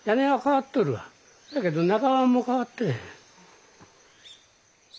せやけど中何も変わってへん。